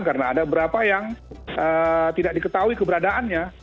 karena ada beberapa yang tidak diketahui keberadaannya